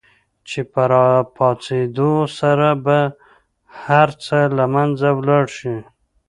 چې په را پاڅېدو سره به هر څه له منځه ولاړ شي.